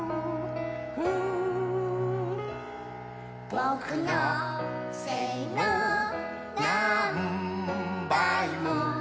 「ぼくのせいのなんばいも」